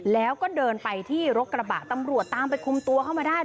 แล้วก็เดินไปที่รถกระบะตำรวจตามไปคุมตัวเข้ามาได้